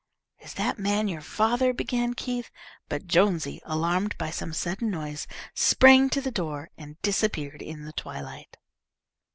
"Is that man your father?" began Keith, but Jonesy, alarmed by some sudden noise, sprang to the door, and disappeared in the twilight.